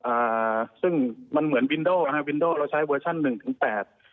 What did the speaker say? อ่าซึ่งมันเหมือนวินโดนะฮะวินโดเราใช้เวอร์ชั่นหนึ่งถึงแปด